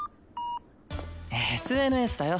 ＳＮＳだよ。